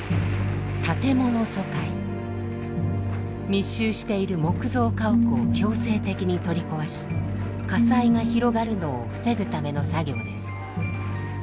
密集している木造家屋を強制的に取り壊し火災が広がるのを防ぐための作業です。